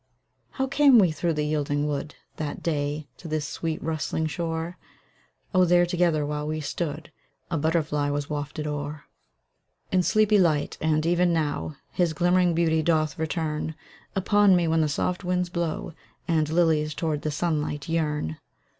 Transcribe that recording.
How came we through the yielding wood, That day, to this sweet rustling shore? Oh, there together while we stood, A butterfly was wafted o'er, In sleepy light; and even now His glimmering beauty doth return Upon me, when the soft winds blow, And lilies toward the sunlight yearn.